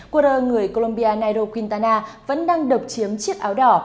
quân đội người colombia nairo quintana vẫn đang độc chiếm chiếc áo đỏ